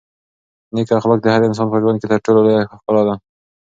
نېک اخلاق د هر انسان په ژوند کې تر ټولو لویه ښکلا ده.